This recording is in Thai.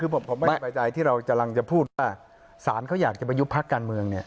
คือผมไม่สบายใจที่เราจะพูดว่าศาลเขาอยากจะไปยุบพลักษณ์การเมืองเนี่ย